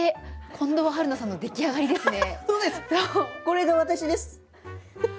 これが私です。